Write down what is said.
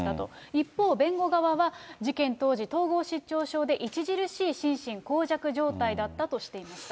一方、弁護側は事件当時、統合失調症で著しい心神耗弱状態だったとしていました。